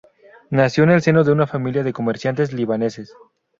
Nació en el seno de una familia de comerciantes libaneses.